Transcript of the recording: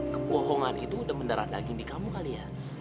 kebohongan itu udah mendarat daging di kamu kali ya